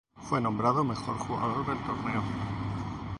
Fue nombrado mejor jugador del torneo.